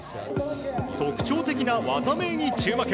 特徴的な技名に注目！